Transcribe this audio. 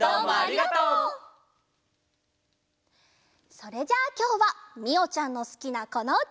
それじゃきょうはみおちゃんのすきなこのうた。